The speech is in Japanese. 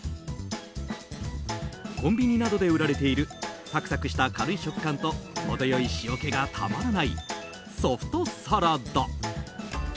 コンビニなどで売られているサクサクした軽い食感と程良い塩気がたまらないソフトサラダ。